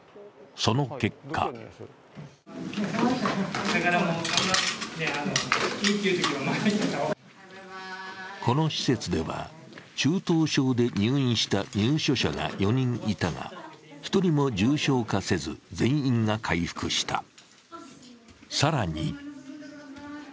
その結果この施設では中等症で入院した入所者が４人いたが、１人も重症化せず全員が回復した。